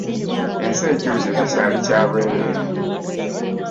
Ensi ekyuse tekyali kya bwerere.